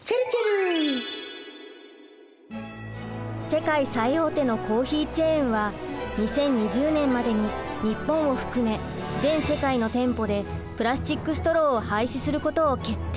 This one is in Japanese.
世界最大手のコーヒーチェーンは２０２０年までに日本を含め全世界の店舗でプラスチックストローを廃止することを決定。